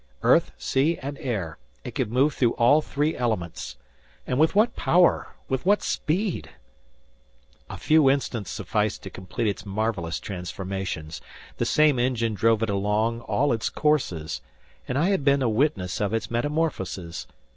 Earth, sea and air,—it could move through all three elements! And with what power! With what speed! A few instants sufficed to complete its marvelous transformations. The same engine drove it along all its courses! And I had been a witness of its metamorphoses!